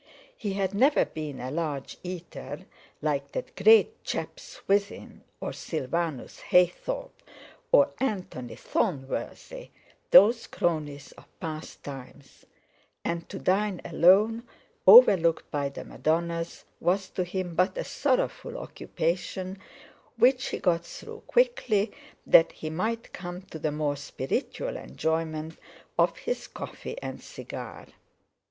He had never been a large eater, like that great chap Swithin, or Sylvanus Heythorp, or Anthony Thornworthy, those cronies of past times; and to dine alone, overlooked by the Madonnas, was to him but a sorrowful occupation, which he got through quickly, that he might come to the more spiritual enjoyment of his coffee and cigar.